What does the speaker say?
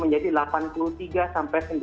tetapi dengan booster itu efektivitasnya lebih tinggi